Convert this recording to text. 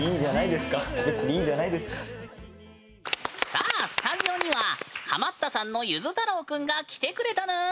さあスタジオにはハマったさんのゆず太郎くんが来てくれたぬん。